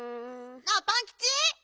あっパンキチ。